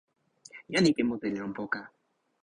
jan ike mute li lon poka.